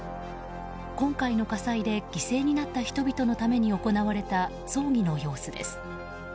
今回の火災で犠牲になった人々のために行われた葬儀の様子です。